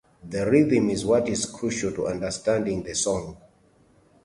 The rhythm is what is crucial to understanding the song.